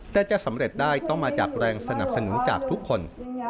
แต่จะสำเร็จได้ต้องมาจากแรงสนับสนุนจากทุกคน